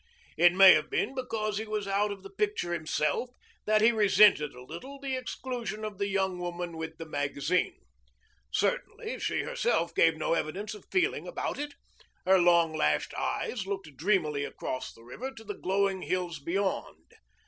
It may have been because he was out of the picture himself that he resented a little the exclusion of the young woman with the magazine. Certainly she herself gave no evidence of feeling about it. Her long lashed eyes looked dreamily across the river to the glowing hills beyond.